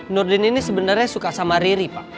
nurdin ini sebenernya suka sama ri